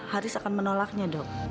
haris akan menolaknya dok